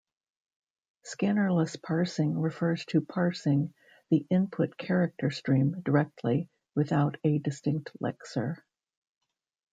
Scannerless parsing refers to parsing the input character-stream directly, without a distinct lexer.